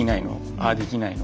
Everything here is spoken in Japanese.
ああできないの？